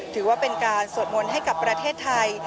ถือว่าเป็นการสวดมนต์ให้กับประเทศไทย